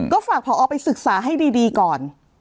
ก็ฝากพอไปศึกษาให้ดีก่อน